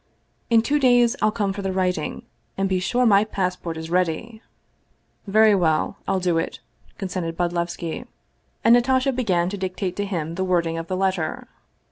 "In two days I'll come for the writing, and be sure my passport is ready!" " Very well. I'll do it," consented Bodlevski. And Na tasha began to dictate to him the wording of the letter.